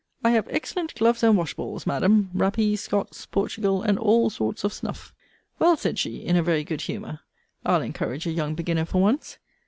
I have excellent gloves and wash balls, Madam: rappee, Scots, Portugal, and all sorts of snuff. Well, said she, in a very good humour, I'll encourage a young beginner for once.